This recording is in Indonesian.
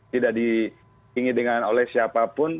tidak diinginkan oleh siapapun